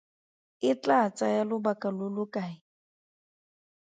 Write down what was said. E tlaa tsaya lobaka lo lo kae?